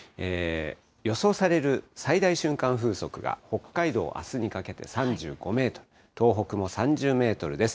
予想される最大瞬間風速が北海道、あすにかけて３５メートル、東北も３０メートルです。